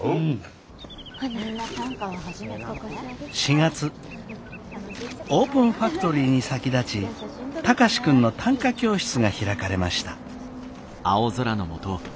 ４月オープンファクトリーに先立ち貴司君の短歌教室が開かれました。